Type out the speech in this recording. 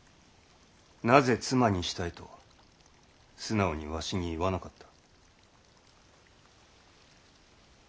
なぜ妻にしたいと素直にわしに言わなかった？